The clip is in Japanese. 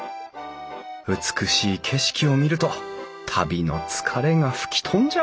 美しい景色を見ると旅の疲れが吹き飛んじゃうよ